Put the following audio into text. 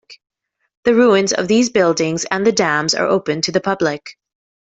The ruins of these buildings and the dams are open to the public.